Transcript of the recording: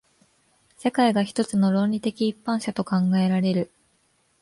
世界が一つの論理的一般者と考えられる。